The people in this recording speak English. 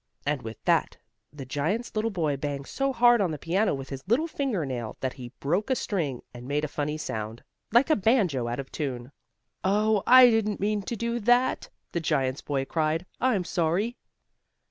And with that the giant's little boy banged so hard on the piano with his little finger nail that he broke a string, and made a funny sound, like a banjo out of tune. "Oh, I didn't mean to do that!" the giant's boy cried. "I'm sorry!"